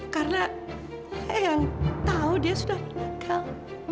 karena ayang tahu dia sudah meninggal